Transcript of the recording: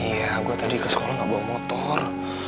iya gue tadi ke sekolah gak bawa motor